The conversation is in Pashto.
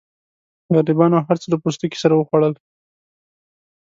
غریبانو هرڅه له پوستکو سره وخوړل.